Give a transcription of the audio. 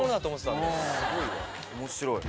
面白い。